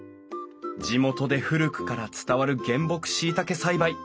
地元で古くから伝わる原木しいたけ栽培。